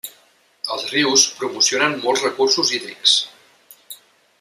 Els rius promocionen molts recursos hídrics.